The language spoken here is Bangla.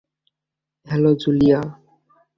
Hello - Julia?